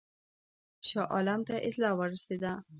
شاه عالم ته اطلاع ورسېده.